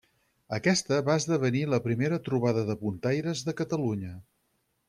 Aquesta va esdevenir la primera trobada de puntaires de Catalunya.